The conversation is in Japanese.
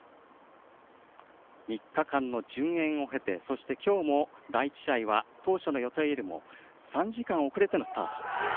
３日間の順延を経て、きょうも第１試合は、当初の予定よりは３時間遅れてのスタート。